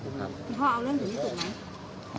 พี่พ่อเอาเรื่องอยู่ที่ตรงนั้นไหม